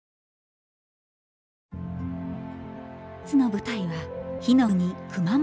本日の舞台は火の国・熊本。